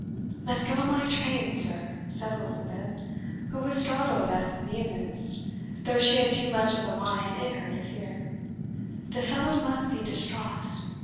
"Let go my train, sir!" said Elizabeth, who was startled at his vehemence, though she had too much of the lion in her to fear; "the fellow must be distraught.